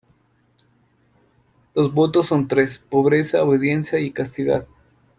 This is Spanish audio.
Los votos son tres: pobreza, obediencia y castidad.